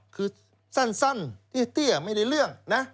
คือสั้นเตี้ยไม่ได้เรื่องนะ